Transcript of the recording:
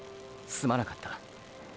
すまなかった。